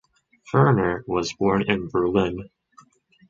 Ferner was born in Berlin.